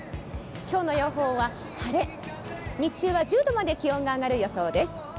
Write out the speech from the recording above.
今日の予報は晴れ、日中は１０度まで気温が上がる予想です。